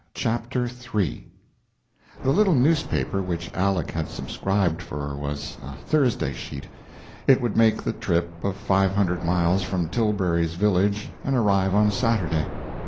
CHAPTER III The little newspaper which Aleck had subscribed for was a Thursday sheet; it would make the trip of five hundred miles from Tilbury's village and arrive on Saturday.